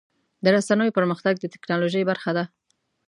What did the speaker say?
د رسنیو پرمختګ د ټکنالوژۍ برخه ده.